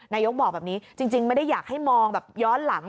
นายกบอกแบบนี้จริงไม่ได้อยากให้มองแบบย้อนหลัง